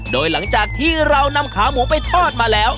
โดยหลังจากที่เรานำขาหมูไปทอดมาแล้ว